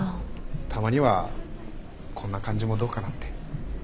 たまにはこんな感じもどうかなって。